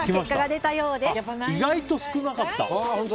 意外と少なかった。